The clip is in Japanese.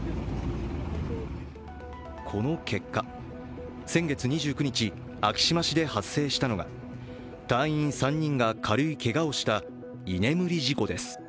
この結果、先月２９日昭島市で発生したのが隊員３人が軽いけがをした居眠り事故です。